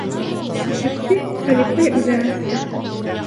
Ишекте полицай үҙе асты.